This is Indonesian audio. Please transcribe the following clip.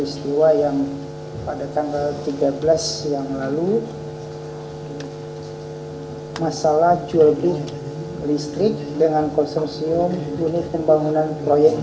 selamat malam rekan rekan semuanya